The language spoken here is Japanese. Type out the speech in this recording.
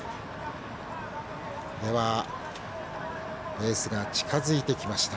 レースが近づいてきました。